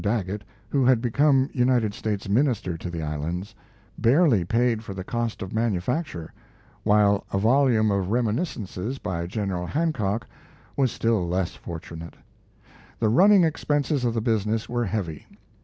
Daggett, who had become United States minister to the islands, barely paid for the cost of manufacture, while a volume of reminiscences by General Hancock was still less fortunate. The running expenses of the business were heavy.